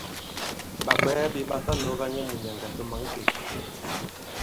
Ɓàbwɛɛ ɓē ɓa ta nɔ̄ga nyɛ mùnyɛ̀ŋgɛ̀ tɔ̀ mǎnkêk.